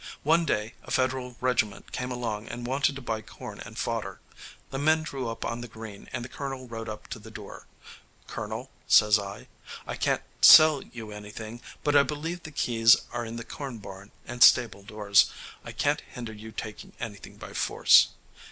One day a Federal regiment came along and wanted to buy corn and fodder. The men drew up on the green, and the colonel rode up to the door. 'Colonel,' says I, 'I can't sell you anything, but I believe the keys are in the corn barn and stable doors: I can't hinder your taking anything by force.'